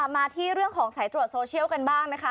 มาที่เรื่องของสายตรวจโซเชียลกันบ้างนะคะ